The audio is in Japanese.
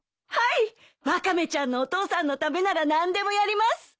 はいワカメちゃんのお父さんのためなら何でもやります。